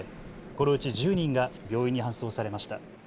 このうち１０人が病院に搬送されました。